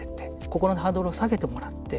心のハードルを下げてもらって。